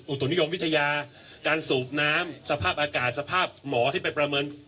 ตุนิยมวิทยาการสูบน้ำสภาพอากาศสภาพหมอที่ไปประเมิน